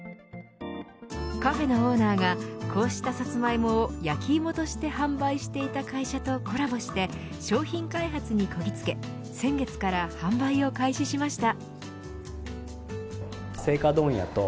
カフェのオーナーがこうしたサツマイモを焼き芋として販売していた会社とコラボして、商品開発にこぎつけ先月から販売を開始しました。